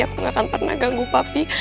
aku gak akan pernah ganggu papi